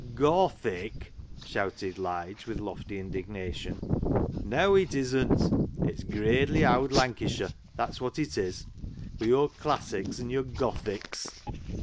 G o t h i c," shouted Lige with lofty indig nation. " Neaw, it isn't ; it's gradely owd Lancashire, that's wot it is — wi' yo'r classics ! an' yo'r Gothics